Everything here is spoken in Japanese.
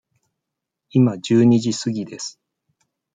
今十二時すぎです。